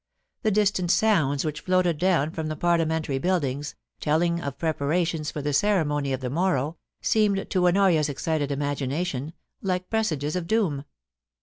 The distant sounds which floated down from the Parliamentary Buildings, telling of preparations for the ceremony of the morrow, seemed to Honoria's excited imagination like presages of doom.